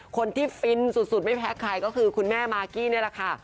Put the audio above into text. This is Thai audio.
ฟินสุดไม่แพ้ใครก็คือคุณแม่มากกี้นี่แหละค่ะ